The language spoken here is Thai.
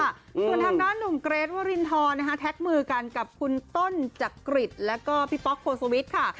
ส่วนทางด้านหนุ่มเกรทวรินทรนะคะแท็กมือกันกับคุณต้นจักริตแล้วก็พี่ป๊อกโภสวิทย์ค่ะ